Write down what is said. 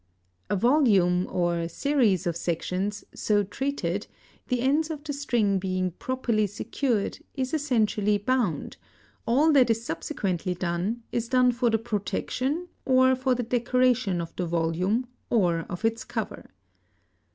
A volume, or series of sections, so treated, the ends of the string being properly secured, is essentially "bound"; all that is subsequently done is done for the protection or for the decoration of the volume or of its cover.